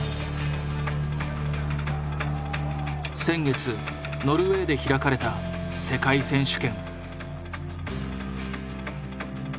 先月ノルウェーで開かれた世界選手権。